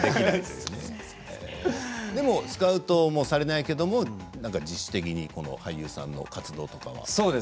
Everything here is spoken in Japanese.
スカウトはされないけれど自主的に俳優さんの活動とかは？